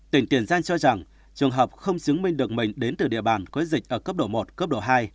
tỉnh tiền giang cho rằng trường hợp không chứng minh được mình đến từ địa bàn có dịch ở cấp độ một cấp độ hai